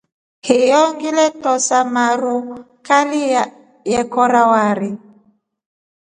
Hiyo ngile tosa maru kali ye kora wari.